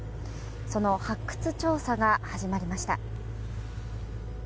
その発掘調査が始まりました。